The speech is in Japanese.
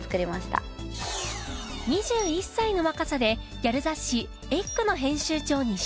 ２１歳の若さでギャル雑誌『ｅｇｇ』の編集長に就任。